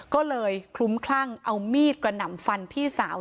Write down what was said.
ก็เลยคลุ้มคลั่งเอามีดกระหน่ำฟันพี่สาว